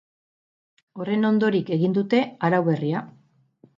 Horren ondorik egin dute arau berria.